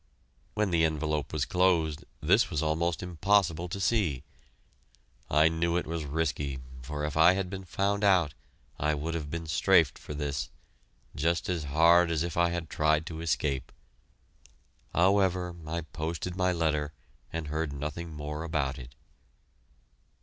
When the envelope was closed, this was almost impossible to see. I knew it was risky, for if I had been found out, I would have been "strafed" for this, just as hard as if I had tried to escape. However, I posted my letter and heard nothing more about it.